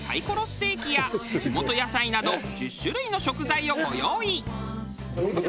ステーキや地元野菜など１０種類の食材をご用意。